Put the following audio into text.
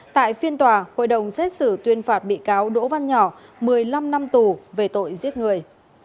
tại phiên tòa hội đồng xét xử tuyên phạt bị cáo đỗ văn nhỏ một mươi năm năm tù về tội giết người